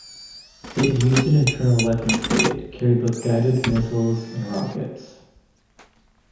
It used an internal weapons bay to carry both guided missiles and rockets.